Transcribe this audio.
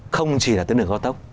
không chỉ là tuyến đường cao tốc